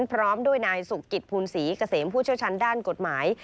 พร้อมด้วยนายสุกิตภูลศรีเกษมผู้เชี่ยวชาญด้านกฎหมาย